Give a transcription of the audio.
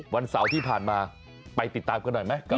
วันเสาร์ที่ผ่านมาไปติดตามกันหน่อยไหม